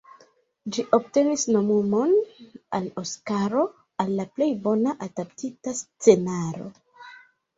Ĝi obtenis nomumon al Oskaro al la plej bona adaptita scenaro.